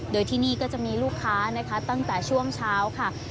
โดยที่นี่ก็จะมีลูกค้านะคะตั้งแต่ช่วงเช้าค่ะ